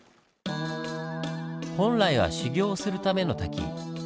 本来は修行をするための滝。